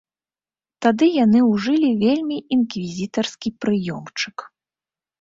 Тады яны ўжылі вельмі інквізітарскі прыёмчык.